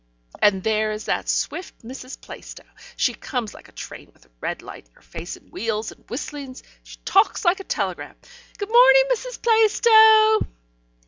And there is that swift Mrs. Plaistow. She comes like a train with a red light in her face and wheels and whistlings. She talks like a telegram Good morning, Mrs. Plaistow."